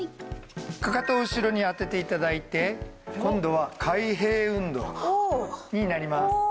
かかとを後ろに当てて頂いて今度は開閉運動になります。